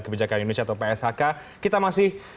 kebijakan indonesia atau pshk kita masih